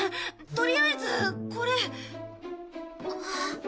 とりあえずこれ。